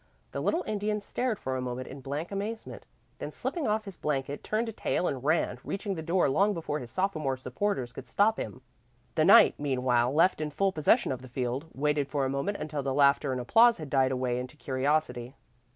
The little Indian stared for a moment in blank amazement, then slipping off his blanket turned tail and ran, reaching the door long before his sophomore supporters could stop him. The knight meanwhile, left in full possession of the field, waited for a moment until the laughter and applause had died away into curiosity.